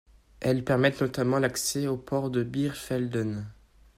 Elle permettent notamment l'accès au port de Birsfelden.